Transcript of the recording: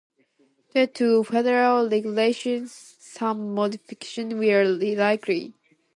Due to federal regulations, some modifications were required.